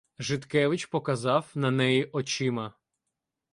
Житкевич показав на неї очима.